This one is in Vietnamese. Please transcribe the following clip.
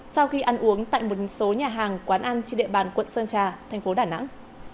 sau khi ăn uống tại một số nhà hàng quán ăn trên địa bàn quận sơn trà thành phố đà nẵng